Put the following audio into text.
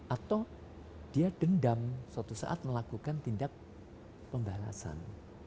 atau dia dendam suatu saat melakukan tindak pembalasan